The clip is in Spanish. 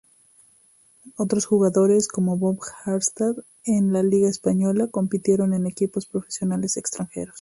Otros jugadores, como Bob Harstad en la liga española, compitieron en equipos profesionales extranjeros.